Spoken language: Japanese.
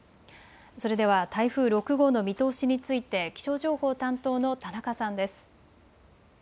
それでは、台風６号の見通しについて、気象情報担当の田中さんです。